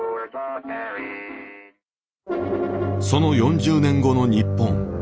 その４０年後の日本。